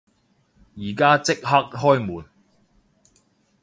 而家即刻開門！